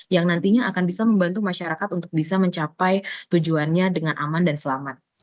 yang nantinya akan bisa membantu masyarakat untuk bisa mencapai tujuannya dengan aman dan selamat